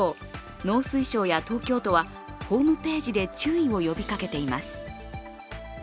農水省や東京都は、ホームページで注意を呼びかけています。